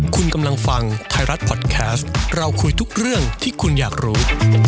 คุณกำลังฟังไทยรัฐพอดแคสต์เราคุยทุกเรื่องที่คุณอยากรู้